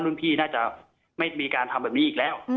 พี่น่าจะไม่มีการทำแบบนี้อีกแล้ว